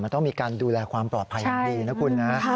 ต้องมีการดูแลความปลอดภัยอย่างดีนะคุณนะ